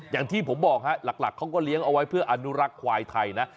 อย่างที่ผมบอกฮะหลักเขาก็เลี้ยงเอาไว้เพื่ออนุรักษ์ควายไทยนะ